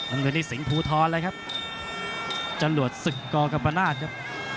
อันนี้สิงห์พูท้อนเลยครับจรวดศึกกรกับประนาจครับ